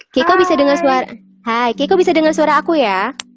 keiko bisa denger suara aku ya